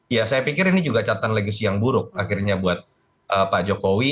ya saya pikir ini juga catatan legacy yang buruk akhirnya buat pak jokowi